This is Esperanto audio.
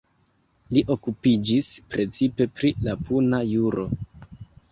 Li okupiĝis precipe pri la puna juro.